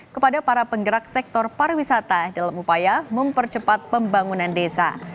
kepada para penggerak sektor pariwisata dalam upaya mempercepat pembangunan desa